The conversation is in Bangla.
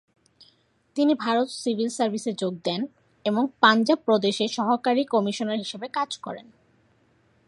তিনি ভারত সিভিল সার্ভিসে যোগ দেন এবং পাঞ্জাব প্রদেশে সহকারী কমিশনার হিসেবে কাজ করেন।